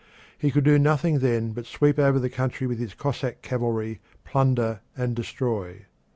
He could do nothing then but sweep over the country with his Cossack cavalry, plunder, and destroy.